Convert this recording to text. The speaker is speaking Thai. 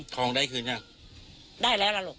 ทองได้คืนยังได้แล้วล่ะลูก